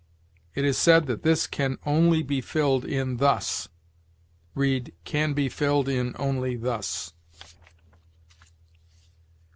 "It is said that this can only be filled in thus"; read, "can be filled in only thus."